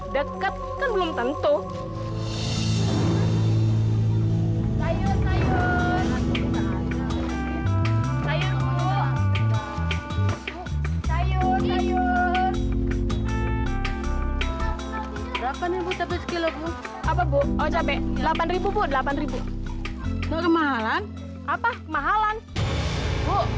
deket kan belum tentu